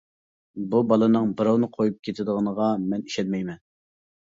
بۇ بالىنىڭ بىراۋنى قويۇپ كېتىدىغىنىغا مەن ئىشەنمەيمەن.